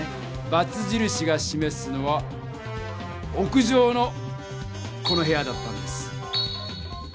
×じるしがしめすのは屋上のこの部屋だったんです。